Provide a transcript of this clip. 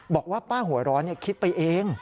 บอกว่าป้าหัวร้อนคิดไปเอง